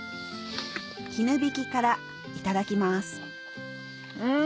絹挽きからいただきますうん！